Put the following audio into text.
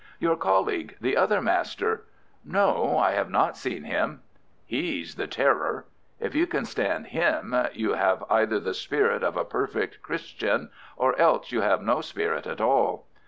"Your colleague. The other master." "No, I have not seen him." "He's the terror. If you can stand him, you have either the spirit of a perfect Christian or else you have no spirit at all.